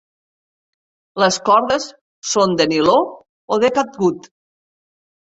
Les cordes són de niló o de catgut.